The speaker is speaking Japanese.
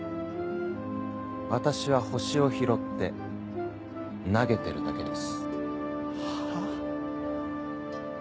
私は星を拾って投げてるだけです。